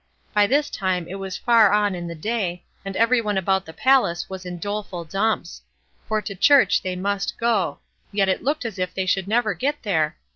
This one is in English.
By this time it was far on in the day, and every one about the palace was in doleful dumps; for to church they must go, and yet it looked as if they should never get there.